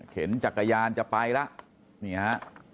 เข็นจักรยานจะไปล่ะนี่ฮะ